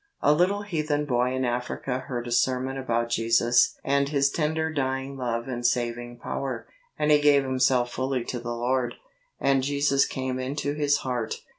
A little heathen boy in Africa heard a sermon about Jesus and His tender dying love and saving power, and he gave himself fully to the Lord, and Jesus came into his heart.